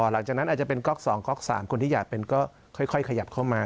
หลังจากนั้นอาจจะเป็นก๊อก๒ก๊อก๓คนที่อยากเป็นก็ค่อยขยับเข้ามา